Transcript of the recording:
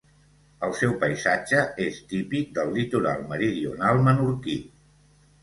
El seu paisatge és típic del litoral meridional menorquí.